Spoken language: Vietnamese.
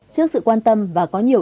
trước sự quan tâm và có nhiều